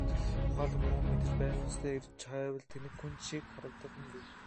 Ухаалаг хүн мэдэж байх ёстойгоо эрж хайвал тэнэг хүн шиг харагдах нь бий.